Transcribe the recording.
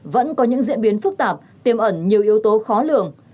vẫn có những diễn biến phức tạp tiêm ẩn nhiều yếu tố khó lường